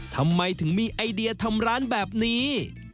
ทำไมถึงมีไอเดียทำร้านแบบนี้